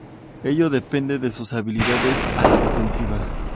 Ello depende de sus habilidades a la defensiva.